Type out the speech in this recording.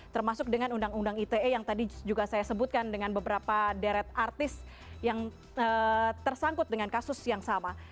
termasuk dengan undang undang ite yang tadi juga saya sebutkan dengan beberapa deret artis yang tersangkut dengan kasus yang sama